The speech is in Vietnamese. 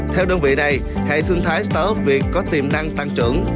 theo đơn vị này hệ sinh thái startupviet có tiềm năng tăng trưởng